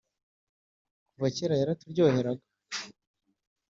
kuva kera yaraturyoheraga